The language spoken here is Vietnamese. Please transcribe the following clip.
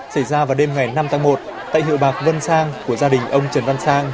xảy ra vào đêm ngày năm tháng một tại hiệu bạc vân sang của gia đình ông trần văn sang